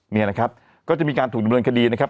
นี่นะครับก็จะมีการถูกดำเนินคดีนะครับ